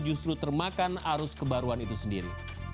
justru termakan arus kebaruan itu sendiri